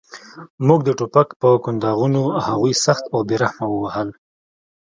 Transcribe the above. موږ د ټوپک په کنداغونو هغوی سخت او بې رحمه ووهل